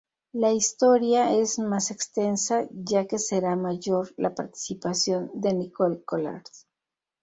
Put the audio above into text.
La historia es más extensa, ya que será mayor la participación de Nicole Collard.